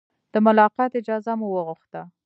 د ملاقات اجازه مو وغوښته.